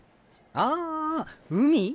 ああ海？